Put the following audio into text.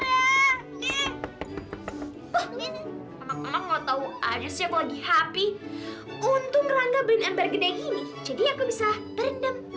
enggak tahu aja sih lagi happy untuk merangkap bergeg ini jadi aku bisa berenang